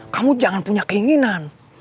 kamu jangan punya keinginan